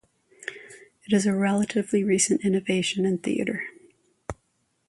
It is a relatively recent innovation in theatre.